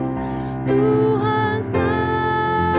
penghibur dalam susah karena yesus sertaku